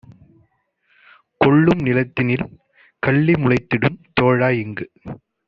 கொள்ளும் நிலத்தினில் கள்ளி முளைத்திடும் தோழா - இங்கு